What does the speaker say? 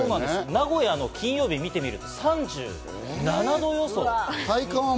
名古屋、金曜日を見てみますと３７度予想。